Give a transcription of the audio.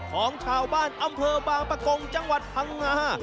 ของชาวบ้านอำเภอบางประกงจังหวัดพังงา